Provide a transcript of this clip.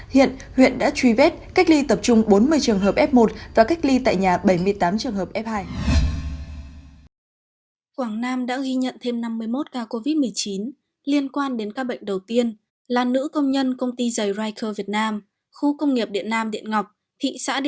hiện huyện đã truy vết cách ly tập trung bốn mươi trường hợp f một và cách ly tại nhà bảy mươi tám trường hợp f hai